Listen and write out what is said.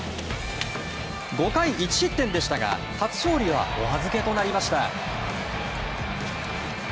５回１失点でしたが初勝利はお預けとなりました。